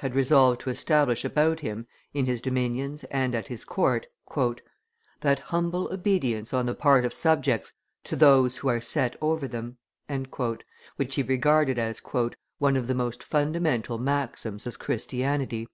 had resolved to establish about him, in his dominions and at his court, "that humble obedience on the part of subjects to those who are set over them," which he regarded as "one of the most fundamental maxims of Christianity."